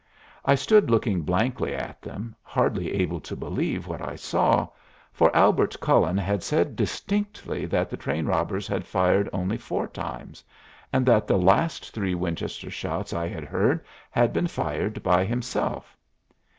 I stood looking blankly at them, hardly able to believe what I saw; for Albert Cullen had said distinctly that the train robbers had fired only four times, and that the last three Winchester shots I had heard had been fired by himself.